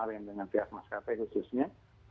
kemarin dengan pihak maskapai khususnya